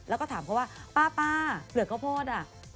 แล้วก็ถามเขาว่าป้าเปลือกข้าวโพดอ่ะ